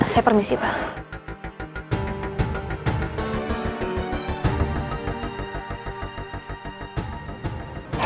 saya permisi pak